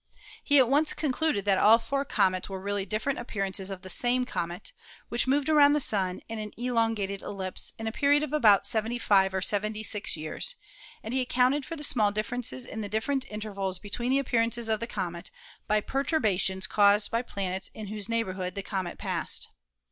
He at once concluded that all four comets were really different appearances of the same comet, which moved around the Sun in an elongated ellipse in a period of about 75 or 76 years, and he accounted for the small differences in the different intervals between the appear ances of the comet by perturbations caused by planets in whose neighborhood the comet passed.